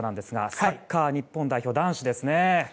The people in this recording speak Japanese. サッカー日本代表男子